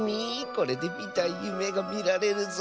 これでみたいゆめがみられるぞ。